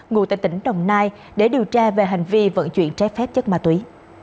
ngụ tại tỉnh đồng nai để điều tra về hành vi vận chuyển trái phép chất ma túy